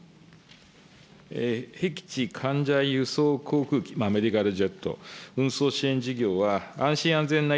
へき地患者輸送航空機、いわゆるメディカルジェット、運送支援事業は暗線安心安全な医